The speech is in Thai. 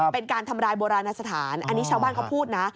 เป็นการทำลายโบราณสถานอันนี้ชาวบ้านเขาพูดนะ